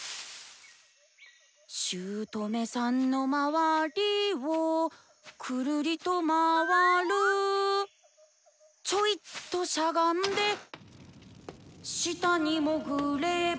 「姑さんのまわりをくるりとまわる」「ちょいとしゃがんで」「下にもぐれば」